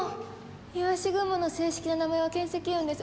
いわし雲の正式な名前は巻積雲です。